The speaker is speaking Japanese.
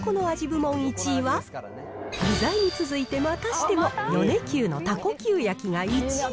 部門１位は、具材に続いて、またしても米久のたこＱ焼きが１位。